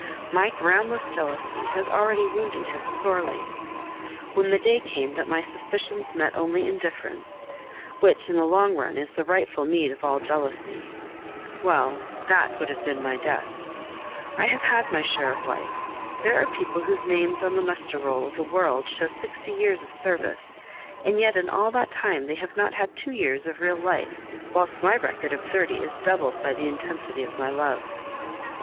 My groundless jealousy has already wounded him sorely. When the day came that my suspicions met only indifference which in the long run is the rightful meed of all jealousy well, that would have been my death. I have had my share of life. There are people whose names on the muster roll of the world show sixty years of service, and yet in all that time they have not had two years of real life, whilst my record of thirty is doubled by the intensity of my love.